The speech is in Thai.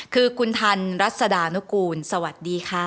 คือคุณทันรัศดานุกูลสวัสดีค่ะ